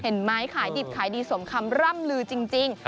เห็นไหมขายดิบขายดีสมคำร่ำลือจริง